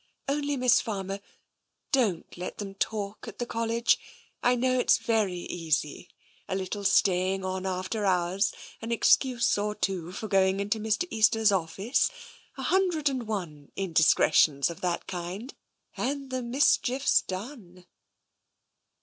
Only, Miss Farmer — don't let them talk at the College. I know it's very easy — a little staying on after hours, an excuse or two for going into Mr. Easter's office, a hundred and one indiscre tions of that kind — and the mischief's done."